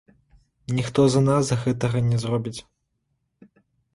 Ніхто за нас гэтага не зробіць.